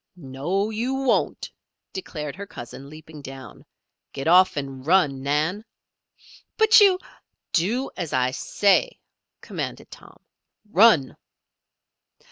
"No you won't," declared her cousin, leaping down. "Get off and run, Nan." "But you " "Do as I say!" commanded Tom. "Run!"